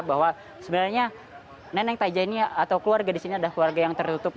bahwa sebenarnya neneng taja ini atau keluarga di sini adalah keluarga yang tertutup